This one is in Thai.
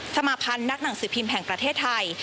สมาพันธ์นักหนังสือพิมพ์แห่งประเทศไทย